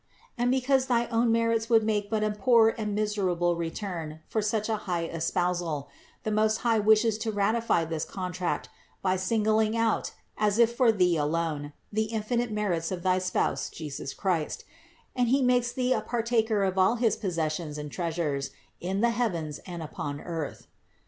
20. "And because thy own merits would make but a poor and miserable return for such a high espousal, the Most High wishes to ratify this contract by singling out, as if for thee alone, the infinite merits of thy Spouse Jesus Christ, and He makes thee a partaker of all his possessions and treasures in the heavens and upon earth.